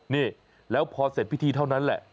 นี่แล้วพอเสร็จพิธีเท่านั้นแหละ